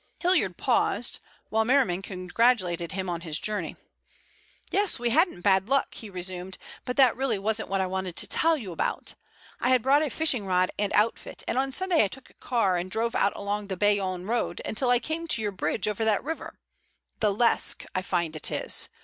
Hilliard paused, while Merriman congratulated him on his journey. "Yes, we hadn't bad luck," he resumed. "But that really wasn't what I wanted to tell you about. I had brought a fishing rod and outfit, and on Sunday I took a car and drove out along the Bayonne Road until I came to your bridge over that river—the Lesque I find it is.